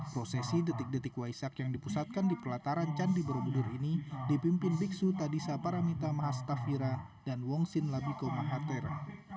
prosesi detik detik waisak yang dipusatkan di pelataran candi borobudur ini dipimpin biksu tadisa paramita mahastafira dan wongsin labiko mahatera